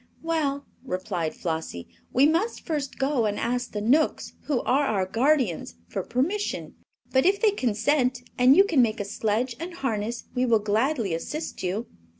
"Well," replied Flossie, "we must first go and ask the Knooks, who are our guardians, for permission; but if they consent, and you can make a sledge and harness, we will gladly assist you."